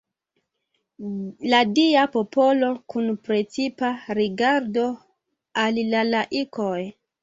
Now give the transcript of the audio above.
La Dia popolo kun precipa rigardo al la laikoj.